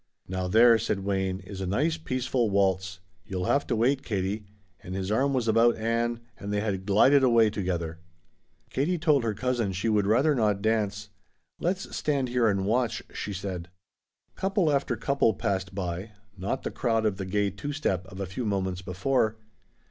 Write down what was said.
"Now there," said Wayne, "is a nice peaceful waltz. You'll have to wait, Katie," and his arm was about Ann and they had glided away together. Katie told her cousin she would rather not dance. "Let's stand here and watch," she said. Couple after couple passed by, not the crowd of the gay two step of a few moments before.